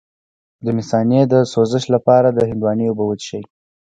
د مثانې د سوزش لپاره د هندواڼې اوبه وڅښئ